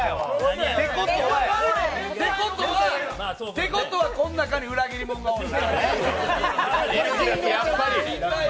てことは、こん中に裏切りものがおる。